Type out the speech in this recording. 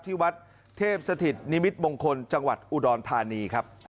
ที่วัดเทพสถิตนิมิตมงคลจังหวัดอุดรธานีครับ